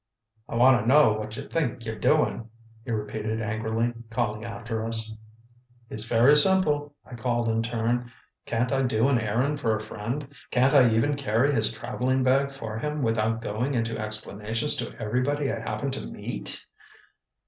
"I want t' know whut you think y're doin'?" he repeated angrily, calling after us. "It's very simple," I called in turn. "Can't I do an errand for a friend? Can't I even carry his travelling bag for him, without going into explanations to everybody I happen to meet?